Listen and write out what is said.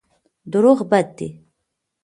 دروغ بد دی.